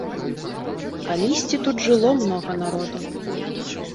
Калісьці тут жыло многа народу.